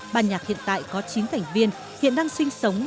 ban nhạc hiện tại có chín thành viên hiện đang sinh sống